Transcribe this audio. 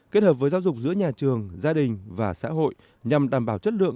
kết hợp với giáo dục giữa nhà trường gia đình và xã hội nhằm đảm bảo chất lượng